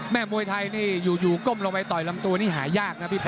มวยไทยนี่อยู่ก้มลงไปต่อยลำตัวนี่หายากนะพี่ป